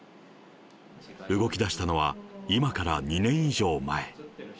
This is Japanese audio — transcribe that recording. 動きだしたのは、今から２年以上前。